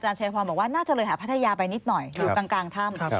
ชัยพรบอกว่าน่าจะเลยหาพัทยาไปนิดหน่อยอยู่กลางถ้ำ